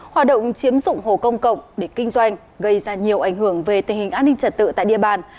hoạt động chiếm dụng hồ công cộng để kinh doanh gây ra nhiều ảnh hưởng về tình hình an ninh trật tự tại địa bàn